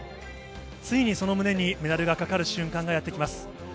ついにその胸にメダルがかかる瞬間がやってきます。